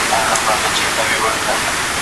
پښتو ژبه زموږ د ټولو شریکه پانګه ده.